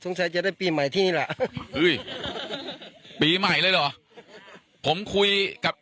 ใช้จะได้ปีใหม่ที่นี่แหละเฮ้ยปีใหม่เลยเหรอผมคุยกับ